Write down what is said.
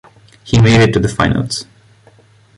He made it to the finals.